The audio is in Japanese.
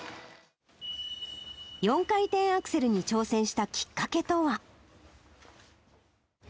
４回転アクセルに挑戦したきっかけとは。